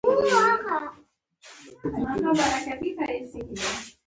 ټولې زرغونې ونې په تشو تنو او ښاخلو بدلې شوې.